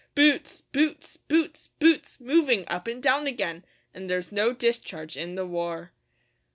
Boots boots boots boots moving up and down again An' there's no discharge in the war.